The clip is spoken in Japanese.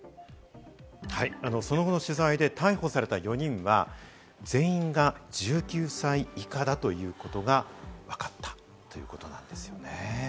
その後の取材で逮捕された４人は、全員が１９歳以下だということがわかったということなんですよね。